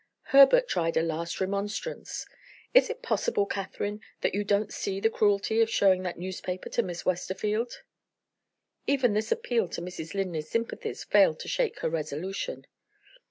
Herbert tried a last remonstrance. "Is it possible, Catherine, that you don't see the cruelty of showing that newspaper to Miss Westerfield?" Even this appeal to Mrs. Linley's sympathies failed to shake her resolution.